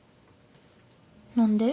何で？